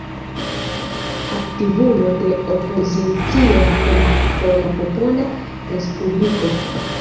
Aktivulo de opozicio en Pola Popola Respubliko.